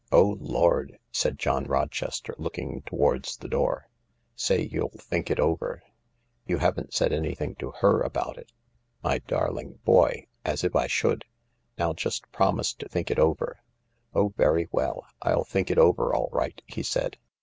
" Oh Lord !" said John Rochester, looking towards the door. "Say you'll think it over." " You haven't said anything to her about it ?"" My darling boy ! As if I should ! Now just promise to think it over," " Oh, very well, I'll think it over all right/' he said.